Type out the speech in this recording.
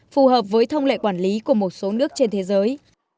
phù hợp với thông lệ quản lý của một số nước trên thế giới